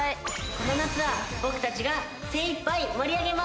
この夏は僕たちが精いっぱい盛り上げます！